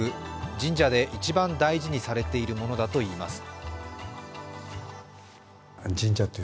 神社で一番大事にされているものだといいます。